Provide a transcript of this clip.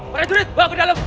para jurid bawa ke dalam